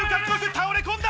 倒れ込んだ